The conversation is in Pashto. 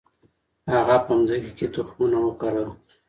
هغه په مځکي کي تخمونه وکرل.